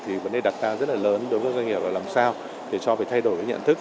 thì vấn đề đặc ta rất là lớn đối với doanh nghiệp là làm sao để cho phải thay đổi nhận thức